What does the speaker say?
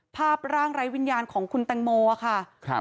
ภาพร่างไร้วิญญาณของคุณแตงโมค่ะ